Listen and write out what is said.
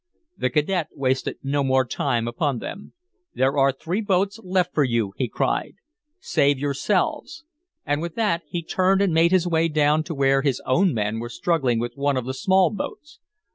The cadet wasted no more time upon them. "There are three boats left for you," he cried. "Save yourselves." And with that he turned and made his way down to where his own men were struggling with one of the small boats.